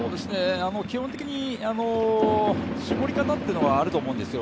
基本的に絞り方というのはあると思うんですよ。